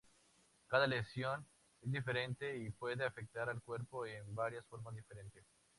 Cada lesión es diferente y puede afectar el cuerpo en varias formas diferentes.